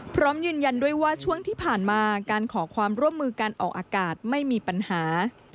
พร้อมยืนยันด้วยว่าช่วงที่ผ่านมาการขอความร่วมมือการออกอากาศไม่มีปัญหา